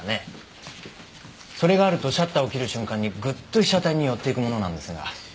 それがあるとシャッターを切る瞬間にグッと被写体に寄っていくものなんですが。